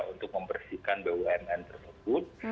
untuk membersihkan bumn tersebut